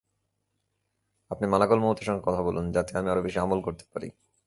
আপনি মালাকুল মউত-এর সঙ্গে কথা বলুন, যাতে আমি আরো বেশি আমল করতে পারি।